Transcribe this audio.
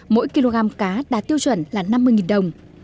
mỗi kg cá đạt tiêu chuẩn là năm mươi đồng